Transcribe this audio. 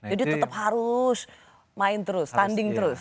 jadi tetap harus main terus tanding terus